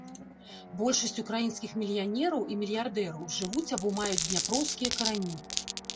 Большасць украінскіх мільянераў і мільярдэраў жывуць або маюць дняпроўскія карані.